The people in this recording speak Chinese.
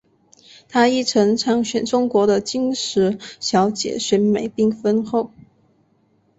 她亦曾参选中国的金石小姐选美并封后。